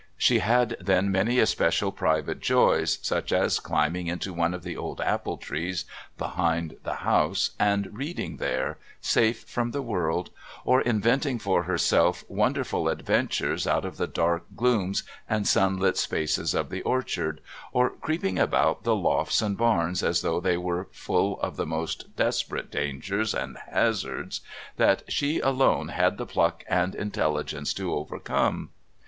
She had then many especial private joys, such as climbing into one of the old apple trees behind the house and reading there, safe from the world, or inventing for herself wonderful adventures out of the dark glooms and sunlit spaces of the orchard, or creeping about the lofts and barns as though they were full of the most desperate dangers and hazards that she alone had the pluck and intelligence to overcome.